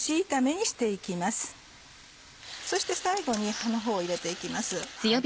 そして最後に葉のほうを入れて行きます。